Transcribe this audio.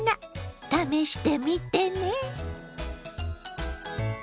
試してみてね。